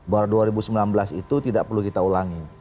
bahwa dua ribu sembilan belas itu tidak perlu kita ulangi